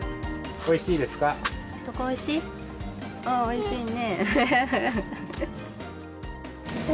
おいしいね。